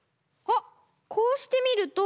あっこうしてみると。